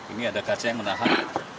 ini ada kaca yang menahan